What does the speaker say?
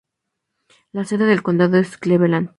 La sede del condado es Cleveland.